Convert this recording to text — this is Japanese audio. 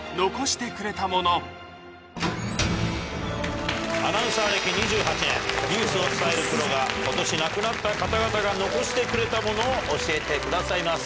番組アナウンサー歴２８年ニュースを伝えるプロが今年亡くなった方々が残してくれたものを教えてくださいます。